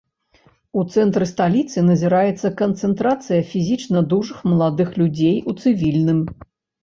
У цэнтры сталіцы назіраецца канцэнтрацыя фізічна дужых маладых людзей у цывільным.